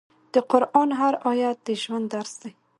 د قرآن هر آیت د ژوند درس دی.